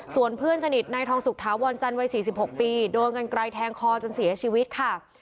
ส่วนเพื่อนสนิทนายทองสุขถาวรจันทร์วัย๔๖ปีโดนกันไกลแทงคอจนเสียชีวิตค่ะ